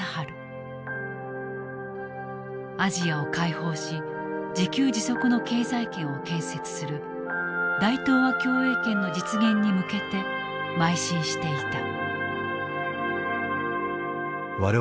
アジアを解放し自給自足の経済圏を建設する大東亜共栄圏の実現に向けてまい進していた。